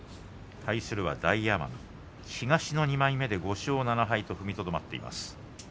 対するは大奄美東の２枚目５勝７敗と踏みとどまっています。